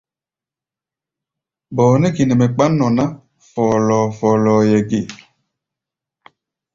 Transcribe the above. Bɔɔ nɛ́ ge nɛ mɛ kpán nɔ ná fɔ́lɔ́ɔ́-fɔ́lɔ́ɔ́ʼɛ ge?